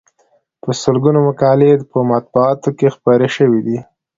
په سلګونو مقالې یې په مطبوعاتو کې خپرې شوې دي.